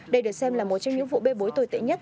đây được xem là một trong những vụ bê bối tồi tệ nhất